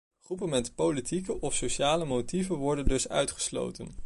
Groepen met politieke of sociale motieven worden dus uitgesloten.